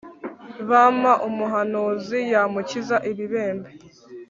Bm umuhanuzi yamukiza ibibembe